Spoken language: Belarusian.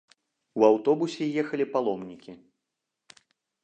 У аўтобусе ехалі паломнікі.